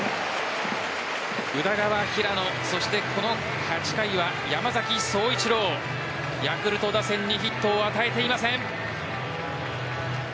宇田川、平野そしてこの８回は山崎颯一郎ヤクルト打線にヒットを与えていません。